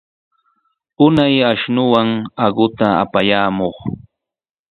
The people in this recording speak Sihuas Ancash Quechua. Unay ashnuwan aquta apayamuq.